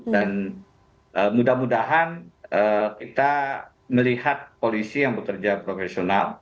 dan mudah mudahan kita melihat polisi yang bekerja profesional